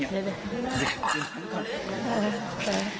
โอเคไปเลย